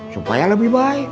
supaya lebih baik